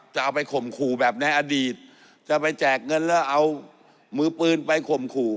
จะเอาไปข่มขู่แบบในอดีตจะไปแจกเงินแล้วเอามือปืนไปข่มขู่